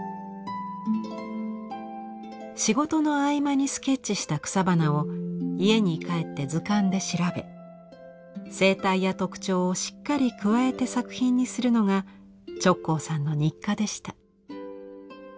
仕事の合間にスケッチした草花を家に帰って図鑑で調べ生態や特徴をしっかり加えて作品にするのが直行さんの日課でした。